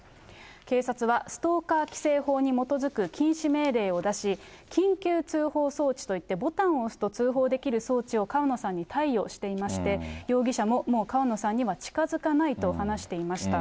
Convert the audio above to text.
警察は、ストーカー規制法に基づく禁止命令を出し、緊急通報装置といって、ボタンを押すと通報できる装置を川野さんに貸与していまして、容疑者ももう川野さんには近づかないと話していました。